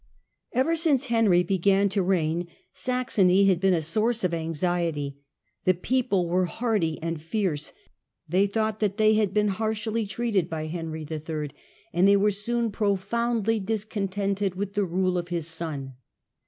Ever since Henry began to reign Saxony had been a source of anxiety. The people were hardy and fierce ; they thought that they had been harshly treated by Digitized by VjOOQIC Revolt of the Saxons 103 Henry III., and they were soon profoundly discontented with the rule of his son.